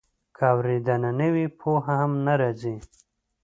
که اورېدنه نه وي، پوهه هم نه راځي.